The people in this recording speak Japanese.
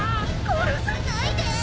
殺さないでぇ！